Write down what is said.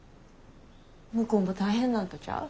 向こうも大変なんとちゃう？